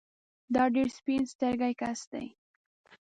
دا ډېر سپين سترګی کس دی